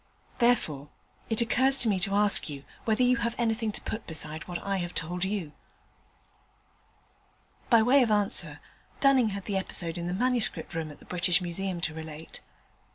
Therefore, it occurs to me to ask you whether you have anything to put beside what I have told you.' By way of answer, Dunning had the episode in the Manuscript Room at the British Museum to relate.